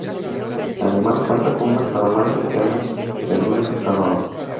Además cuenta con una farmacia que abre de lunes a sábado.